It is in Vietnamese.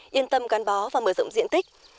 yên tâm gắn bó và mở rộng diện tích